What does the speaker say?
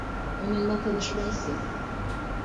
Onunla tanışmalısın.